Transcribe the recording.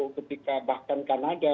ketika bahkan kanada